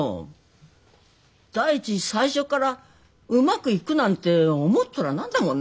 第一最初っからうまくいくなんて思っとらなんだもんな。